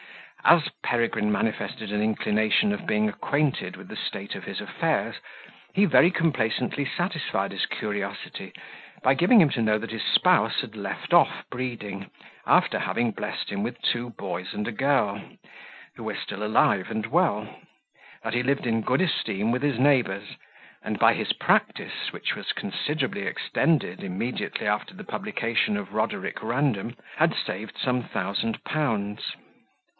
As Peregrine manifested an inclination of being acquainted with the state of his affairs, he very complaisantly satisfied his curiosity by giving him to know that his spouse had left off breeding, after having blessed him with two boys and a girl, who were still alive and well; that he lived in good esteem with his neighbors; and by his practice, which was considerably extended immediately after the publication of Roderick Random, had saved some thousand pounds.